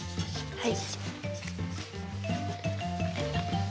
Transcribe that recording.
はい。